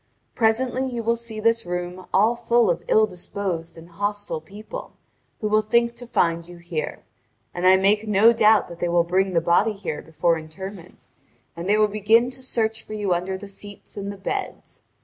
Presently you will see this room all full of ill disposed and hostile people, who will think to find you here; and I make no doubt that they will bring the body here before interment, and they will begin to search for you under the seats and the beds.